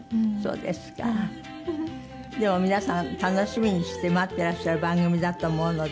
でも皆さん楽しみにして待ってらっしゃる番組だと思うので。